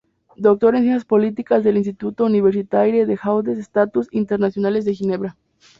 Doctor en Ciencias Políticas del Institut Universitaire de Hautes Études Internacionales de Ginebra.